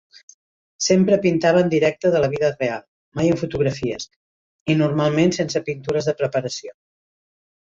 Sempre pintava en directe de la vida real, mai amb fotografies, i normalment sense pintures de preparació.